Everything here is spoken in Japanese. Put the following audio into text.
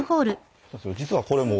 実はこれも。